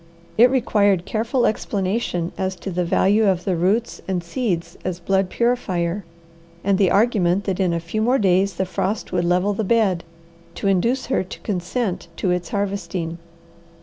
It required careful explanation as to the value of the roots and seeds as blood purifier, and the argument that in a few more days the frost would level the bed, to induce her to consent to its harvesting.